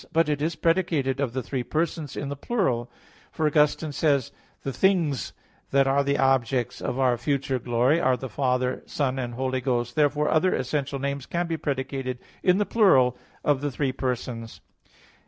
But it is predicated of the three persons in the plural. For Augustine says (De Doctr. Christ. i, 5): "The things that are the objects of our future glory are the Father, Son and Holy Ghost." Therefore other essential names can be predicated in the plural of the three persons.